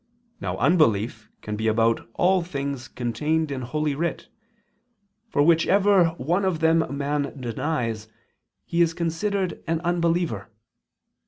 Now unbelief can be about all things contained in Holy Writ, for whichever one of them a man denies, he is considered an unbeliever.